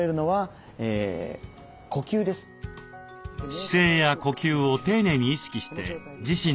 姿勢や呼吸を丁寧に意識して自身と向き合う。